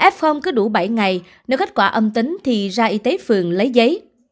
f cứ đủ bảy ngày nếu kết quả âm tính thì ra y tế phường lấy giấy